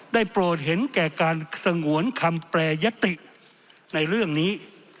โปรดเห็นแก่การสงวนคำแปรยติในเรื่องนี้